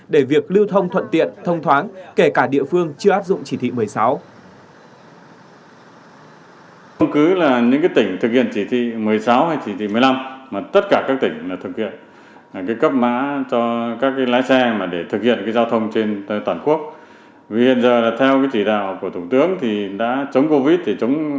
để việc lưu thông thuận tiện thông thoáng kể cả địa phương chưa áp dụng chỉ thị một mươi sáu